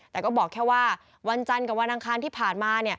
แต่ก็บอกแค่ว่าวันจันทร์กับวันอังคารที่ผ่านมา